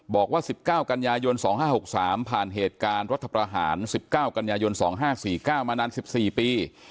บอกว่า๑๙กันยายน๒๕๖๓ผ่านเหตุการณ์รัฐประหาร๑๙กันยายน๒๕๔๙มานาน๑๔ปี